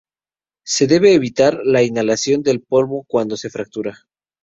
Se debe evitar la inhalación del polvo cuando se fractura.